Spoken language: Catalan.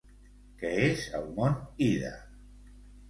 Què és el Mont Ida?